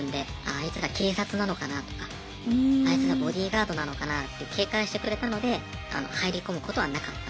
あいつら警察なのかなとかあいつらボディーガードなのかなって警戒してくれたので入り込むことはなかった。